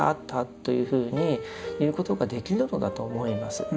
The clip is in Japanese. というふうに言うことができるのだと思います。